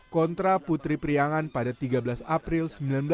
kontra putri priangan pada tiga belas april seribu sembilan ratus sembilan puluh